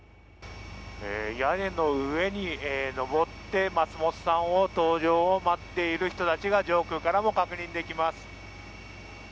屋根の上に上って松本さんの登場を待っている人たちが上空からも確認できます。